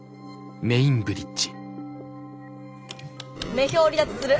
女豹を離脱する！